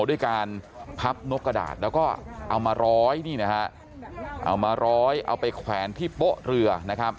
ด้วยการพับนกกระดาษแล้วก็เอามาร้อยนี่นะฮะเอามาร้อยเอาไปแขวนที่โป๊ะเรือนะครับ